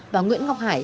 và nguyễn ngọc hải